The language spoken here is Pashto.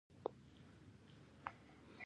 مس د افغانستان د چاپیریال ساتنې لپاره مهم دي.